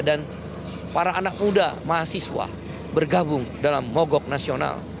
dan para anak muda mahasiswa bergabung dalam mogok nasional